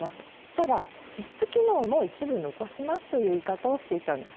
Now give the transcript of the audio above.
ただ、私室機能も一部残しますという言い方をしていたんです。